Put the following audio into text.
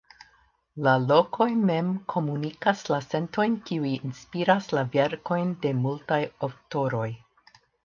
La lokoj mem komunikas la sentojn kiuj inspiris la verkojn de multaj aŭtoroj.